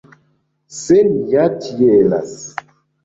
Se ni ja tielas.